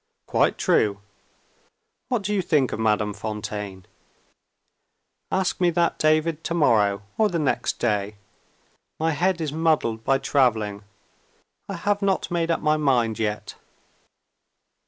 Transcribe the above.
"Quite true. What do you think of Madame Fontaine?" "Ask me that, David, to morrow or the next day. My head is muddled by traveling I have not made up my mind yet."